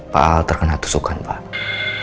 pak terkena tusukan pak